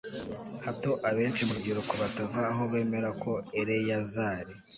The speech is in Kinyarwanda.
hato abenshi mu rubyiruko batava aho bemera ko eleyazari